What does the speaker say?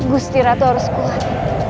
gusti ratu harus kuat